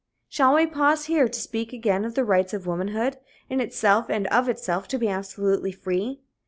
Shall we pause here to speak again of the rights of womanhood, in itself and of itself, to be absolutely free?